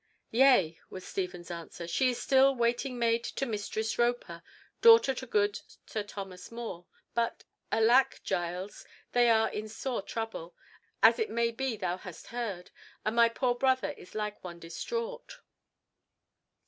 "Yea," was Stephen's answer. "She is still waiting maid to Mistress Roper, daughter to good Sir Thomas More; but alack, Giles, they are in sore trouble, as it may be thou hast heard—and my poor brother is like one distraught."